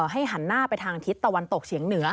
หันหน้าไปทางทิศตะวันตกเฉียงเหนือ